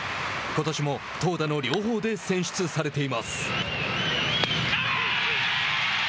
ことしも投打の両方で選出されています。